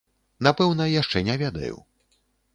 Напэўна яшчэ не ведаю.